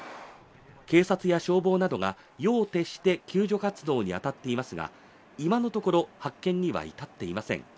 警察や消防などが夜を徹して救助活動に当たっていますが、今のところ発見には至っていません。